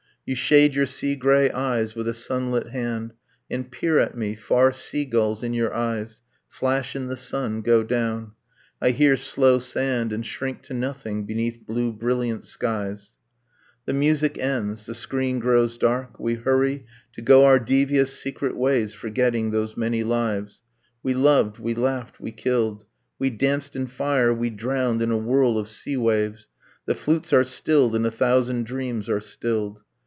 You shade your sea gray eyes with a sunlit hand And peer at me ... far sea gulls, in your eyes, Flash in the sun, go down ... I hear slow sand, And shrink to nothing beneath blue brilliant skies ...The music ends. The screen grows dark. We hurry To go our devious secret ways, forgetting Those many lives ... We loved, we laughed, we killed, We danced in fire, we drowned in a whirl of sea waves. The flutes are stilled, and a thousand dreams are stilled.